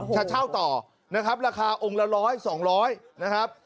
จะเช่าต่อแนครับราคาองค์ละร้อยสองร้อยนะครับ